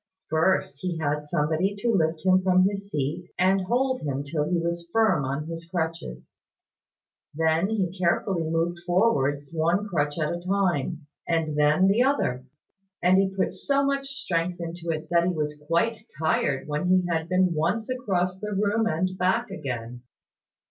First, he had somebody to lift him from his seat, and hold him till he was firm on his crutches. Then he carefully moved forwards one crutch at a time, and then the other; and he put so much strength into it, that he was quite tired when he had been once across the room and back again.